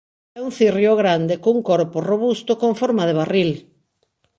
É un cirrio grande cun corpo robusto con forma de barril.